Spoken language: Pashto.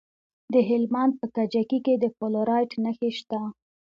د هلمند په کجکي کې د فلورایټ نښې شته.